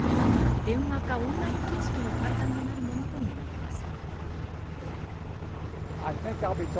電話かオンライン形式の会談になるものとみられます。